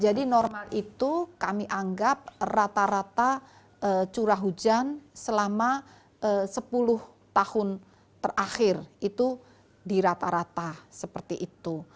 jadi normal itu kami anggap rata rata curah hujan selama sepuluh tahun terakhir itu dirata rata seperti itu